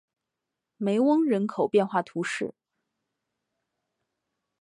梅翁人口变化图示